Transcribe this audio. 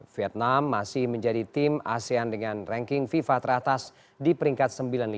vietnam masih menjadi tim asean dengan ranking fifa teratas di peringkat sembilan puluh lima